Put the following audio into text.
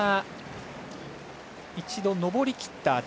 一度、上りきった